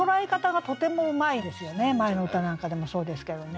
前の歌なんかでもそうですけどね。